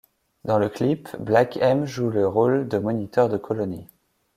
Dans le clip, Black M joue le rôle de moniteur de colonie.